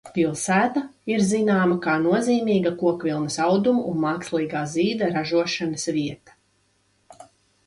Pilsēta ir zināma kā nozīmīga kokvilnas audumu un mākslīgā zīda ražošanas vieta.